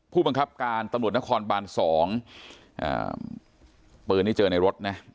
ผู้บังคับการตนบ๒ปืนนี่เจอในรถนะ